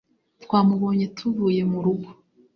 Twamubonye tuvuye mu rugo